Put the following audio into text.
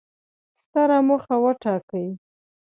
ستره موخه وټاکئ!